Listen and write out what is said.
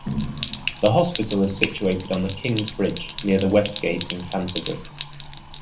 The hospital is situated on the King's-bridge, near the Westgate, in Canterbury.